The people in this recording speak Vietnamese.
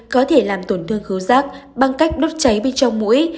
có thể làm tổn thương khứ giác bằng cách đốt cháy bên trong mũi